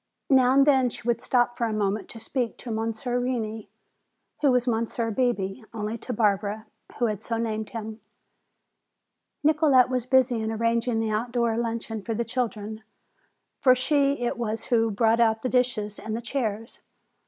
Now and then she would stop for a moment to speak to Monsieur Reney, who was Monsieur Bebé only to Barbara, who had so named him. Nicolete was busy in arranging the outdoor luncheon for the children. For she it was who brought out the dishes and the chairs.